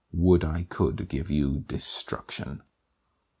Would I could give you destruction!